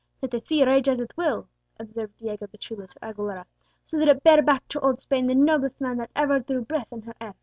"Let the sea rage as it will," observed Diego the chulo to Aguilera, "so that it bear back to old Spain the noblest man that ever drew breath in her air.